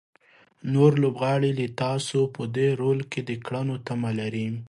نور لوبغاړي له تاسو په دې رول کې د کړنو تمه لري.